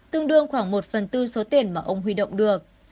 tương đương khoảng một phần tư số tiền mà ông huy động được